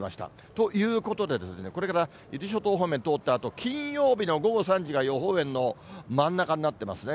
ということでですね、これから伊豆諸島方面を通ったあと、金曜日の午後３時が予報円の真ん中になってますね。